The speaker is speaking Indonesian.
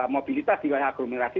mobilitas di wilayah agglomerasi